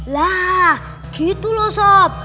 lah gitu loh sob